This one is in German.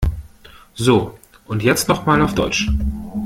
So und jetzt noch mal auf Deutsch.